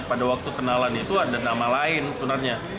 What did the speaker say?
pada waktu kenalan itu ada nama lain sebenarnya